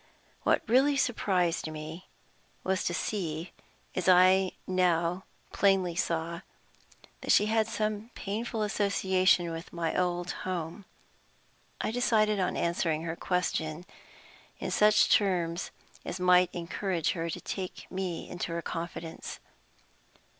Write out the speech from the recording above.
What really surprised me was to see, as I now plainly saw, that she had some painful association with my old home. I decided on answering her question in such terms as might encourage her to take me into her confidence.